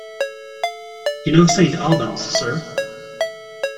You know St Albans, sir?